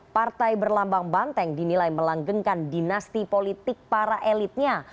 partai berlambang banteng dinilai melanggengkan dinasti politik para elitnya